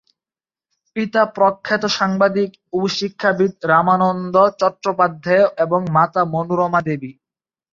পিতা প্রখ্যাত সাংবাদিক ও শিক্ষাবিদ রামানন্দ চট্টোপাধ্যায় এবং মাতা মনোরমা দেবী।